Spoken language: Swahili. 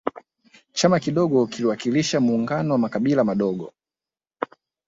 chama kidogo kiliwakilisha muungano wa makabila madogo